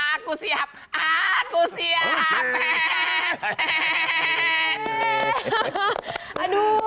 aku siap aku siap